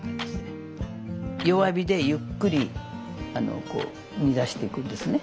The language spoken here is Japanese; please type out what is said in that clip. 弱火でゆっくりあのこう煮出していくんですね。